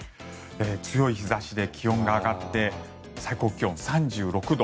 強い日差しで気温が上がって最高気温３６度。